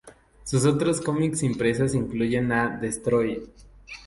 Sus otros cómics impresos incluyen a Destroy!!